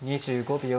２５秒。